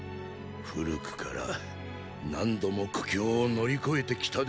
古くから何度も苦境を乗り越えてきたであろうが。